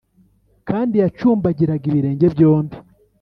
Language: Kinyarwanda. kandi yacumbagiraga ibirenge byombi.